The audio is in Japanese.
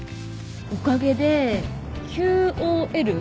おかげでＱＯＬ？